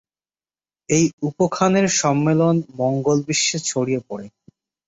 এই উপ-খানের সম্মেলন মঙ্গোল বিশ্বে ছড়িয়ে পড়ে।